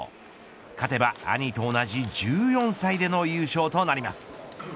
勝てば、兄と同じ１４歳での優勝となります。